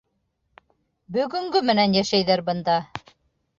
Бөгөнгө менән йәшәйҙәр бында.